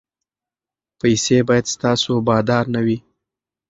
پیسې باید ستاسو بادار نه وي.